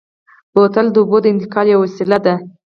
بوتل د اوبو د انتقال یوه وسیله ده.